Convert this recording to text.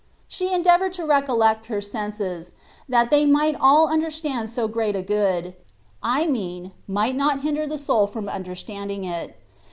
She endeavoured to recollect her senses, that they might all understand so great a good; I mean, might not hinder the soul from understanding it.